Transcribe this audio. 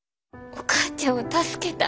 お母ちゃんを助けたい。